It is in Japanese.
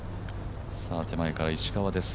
手前から石川です。